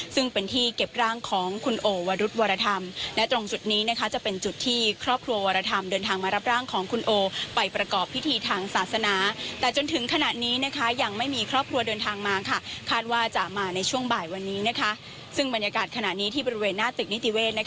ซึ่งบรรยากาศขณะนี้ที่บริเวณหน้าตึกนิติเวศ